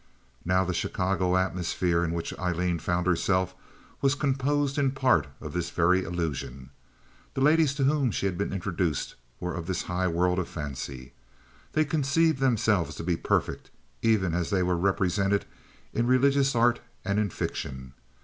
Now the Chicago atmosphere in which Aileen found herself was composed in part of this very illusion. The ladies to whom she had been introduced were of this high world of fancy. They conceived themselves to be perfect, even as they were represented in religious art and in fiction.